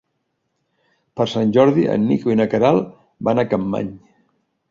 Per Sant Jordi en Nico i na Queralt van a Capmany.